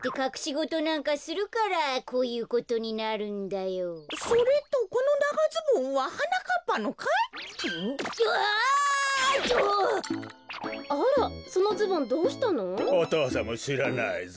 おとうさんもしらないぞ。